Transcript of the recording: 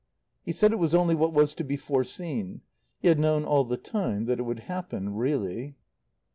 He said it was only what was to be foreseen. He had known all the time that it would happen really.